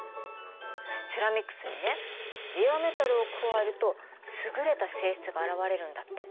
セラミックスにねレアメタルを加えると優れた性質があらわれるんだって。